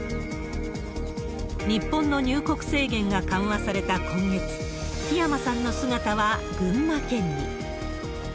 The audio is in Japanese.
日本の入国制限が緩和された今月、桧山さんの姿は群馬県に。